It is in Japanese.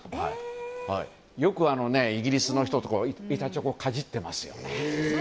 よく、イギリスの人とかは板チョコかじってますよね。